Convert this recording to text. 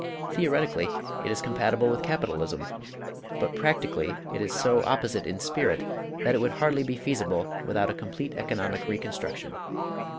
Theoretically, it is compatible with capitalism, but practically it is so opposite in spirit that it would hardly be feasible without a complete economic reconstruction.